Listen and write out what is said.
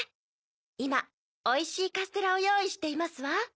いまおいしいカステラをよういしていますわ。